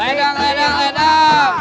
ledang ledang ledang